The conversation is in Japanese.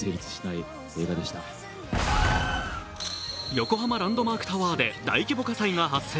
横浜ランドマークタワーで大規模火災が発生。